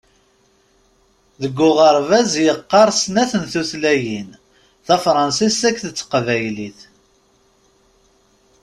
Deg uɣerbaz yeqqaṛ snat n tutlayin: Tafransist akked taqbaylit.